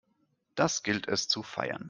Das gilt es zu feiern!